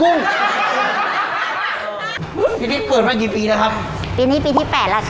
อร่อยมาก